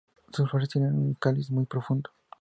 Sus flores tienen un cáliz muy profundo.